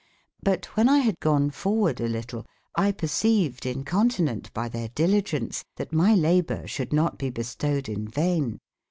But wben X bad gone for ward a litle, 1 perceaved in con tin en te by tbeir diligence, tbat my laboure sbould not be bestowed in vaine.